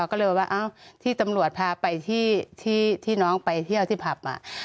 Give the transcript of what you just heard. ก็เลยว่าที่ตำรวจพาไปที่น้องไปเที่ยวที่ผับ